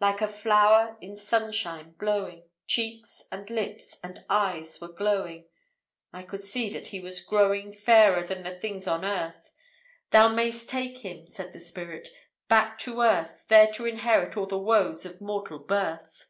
Like a flower in sunshine blowing, Cheeks, and lips, and eyes were glowing, I could see that he was growing Fairer than the things of earth. "Thou mayst take him," said the spirit, "Back to earth, there to inherit All the woes of mortal birth."